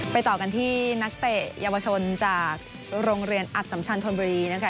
ต่อกันที่นักเตะเยาวชนจากโรงเรียนอัดสัมชันธนบุรีนะคะ